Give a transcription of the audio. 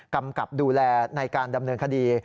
กำกับดูแลในการดำเนินคดี